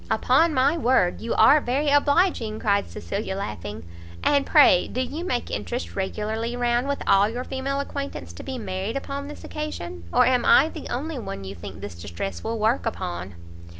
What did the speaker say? "Upon my word you are very obliging!" cried Cecilia laughing; "and pray do you make interest regularly round with all your female acquaintance to be married upon this occasion, or am I the only one you think this distress will work upon?"